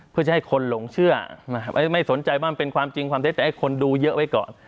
เพื่อจะให้คนหลงเชื่อไม่สนใจว่ามันเป็นความจริงความเท็จแต่ให้คนดูเยอะไว้ก่อน